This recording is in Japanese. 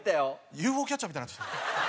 ＵＦＯキャッチャーみたいになってきた。